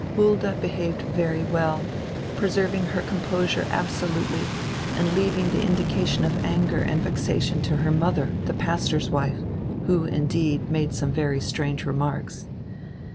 Hulda behaved very well, preserving her composure abso lutely and leaving die indication of anger and vexation to her mother, the pastor's wife, who, indeed, made some very strange remarks.